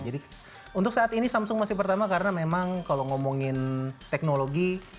jadi untuk saat ini samsung masih pertama karena memang kalau ngomongin teknologi